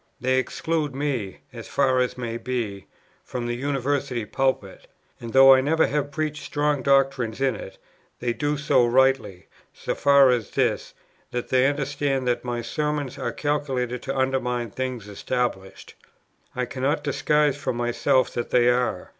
They exclude me, as far as may be, from the University Pulpit; and, though I never have preached strong doctrine in it, they do so rightly, so far as this, that they understand that my sermons are calculated to undermine things established. I cannot disguise from myself that they are.